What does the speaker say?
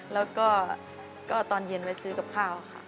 แล้วก็ตอนเย็นไว้ซื้อกับข้าวค่ะ